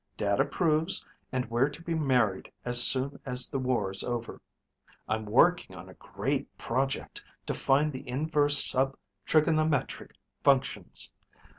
Dad approves, and we're to be married as soon as the war's over. I'm working on a great project, to find the inverse sub trigonometric functions.